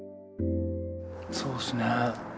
そうっすね。